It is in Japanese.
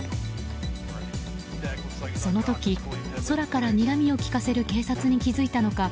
その時、空からにらみを利かせる警察に気付いたのか